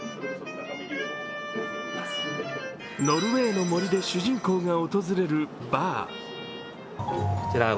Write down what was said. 「ノルウェイの森」で主人公が訪れるバー。